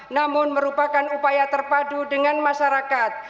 namun merupakan upaya terpadu dengan masyarakat